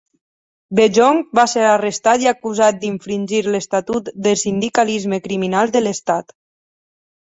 De Jonge va ser arrestat i acusat d'infringir l'estatut de sindicalisme criminal de l'Estat.